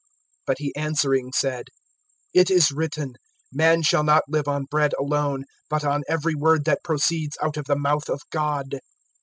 (4)But he answering said: It is written, Man shall not live on bread alone, but on every word that proceeds out of the mouth of God.